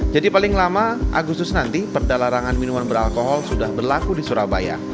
jadi paling lama agustus nanti perda larangan minuman beralkohol sudah berlaku di surabaya